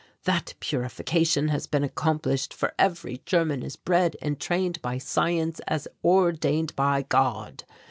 "That purification has been accomplished for every German is bred and trained by science as ordained by God.